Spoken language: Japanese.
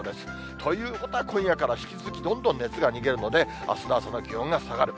ということは今夜から引き続きどんどん熱が逃げるので、あすの朝の気温が下がる。